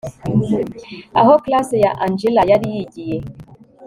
aho class ya angella yari yigiye